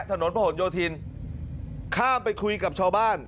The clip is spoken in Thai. ถนนผนโยธินข้ามไปคุยกับชาวบ้าน